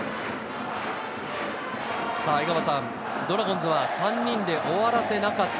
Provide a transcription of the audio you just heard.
江川さん、ドラゴンズは３人で終わらせなかった。